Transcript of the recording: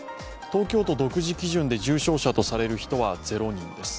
東京都独自基準で重症者とされる方は０人です。